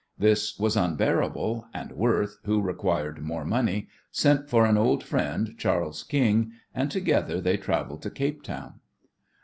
This was unbearable, and Worth, who required more money, sent for an old friend, Charles King, and together they travelled to Cape Town.